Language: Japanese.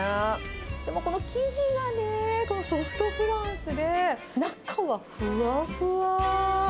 でもこの生地がね、このソフトフランスで、中はふわふわ。